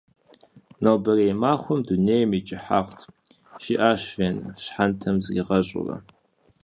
«Нобэрей махуэм дуней и кӏыхьагът», жиӏащ Фенэ щхьэнтэм зригъэщӏурэ.